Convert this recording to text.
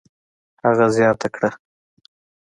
هغه زیاته کړه: